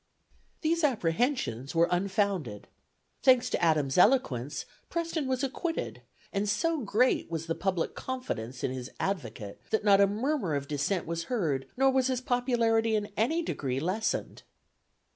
These apprehensions were unfounded. Thanks to Adams' eloquence, Preston was acquitted, and so great was the public confidence in his advocate that not a murmur of dissent was heard, nor was his popularity in any degree lessened.